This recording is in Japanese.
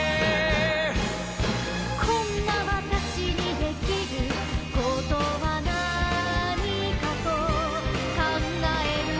「こんなわたしにできることはなにかとかんがえるの」